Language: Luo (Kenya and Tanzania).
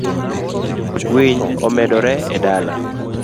Winy omedore e dala.